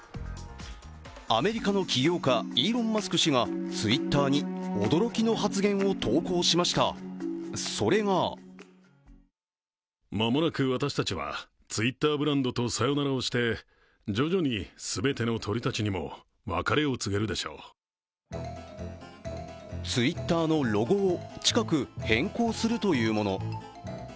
アメリカの起業家イーロン・マスク氏がＴｗｉｔｔｅｒに驚きの発言を投稿しましたそれがＴｗｉｔｔｅｒのロゴを近く変更するというもの。